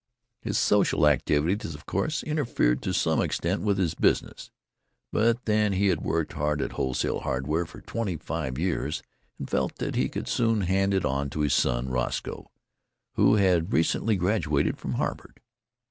His social activities, of course, interfered to some extent with his business, but then he had worked hard at wholesale hardware for twenty five years and felt that he could soon hand it on to his son, Roscoe, who had recently graduated from Harvard.